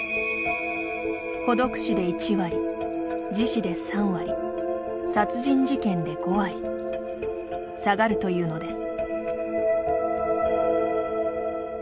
孤独死で１割、自死で３割殺人事件で５割下がるというのです。